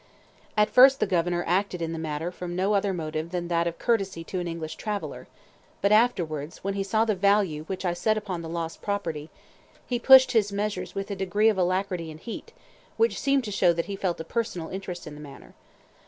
At first the Governor acted in the matter from no other motive than that of courtesy to an English traveller, but afterwards, and when he saw the value which I set upon the lost property, he pushed his measures with a degree of alacrity and heat, which seemed to show that he felt a personal interest in the matter.